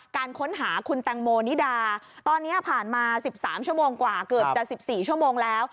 การค้นหาคุณแตงโมนิดาตอนนี้ผ่านมา๑๓ชั่วโมงกว่าเกือบจะ๑๔ชั่วโมงแล้ว